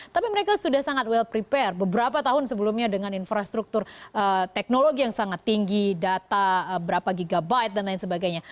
tapi mereka sudah sangat well prepare beberapa tahun sebelumnya dengan infrastruktur teknologi yang sangat tinggi data berapa gb dan lain sebagainya